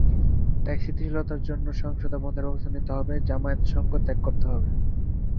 তাই স্থিতিশীলতার জন্য সহিংসতা বন্ধের ব্যবস্থা নিতে হবে, জামায়াতসঙ্গ ত্যাগ করতে হবে।